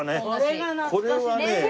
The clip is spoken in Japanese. これはね